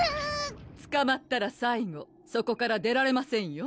つかまったら最後そこから出られませんよ